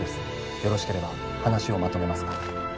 よろしければ話をまとめますが